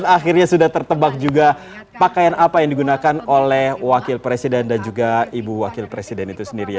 akhirnya sudah tertebak juga pakaian apa yang digunakan oleh wakil presiden dan juga ibu wakil presiden itu sendiri